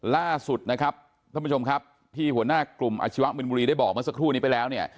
ล่าสุดนะครับท่านผู้ชมครับที่หัวหน้ากลุ่มอาชีวะมินบุรีได้บอกเมื่อสักครู่นี้ไปแล้วเนี่ย